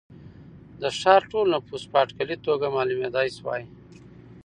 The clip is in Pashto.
د ښار ټول نفوس په اټکلي توګه معلومېدای شوای.